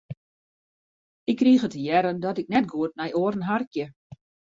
Ik krige te hearren dat ik net goed nei oaren harkje.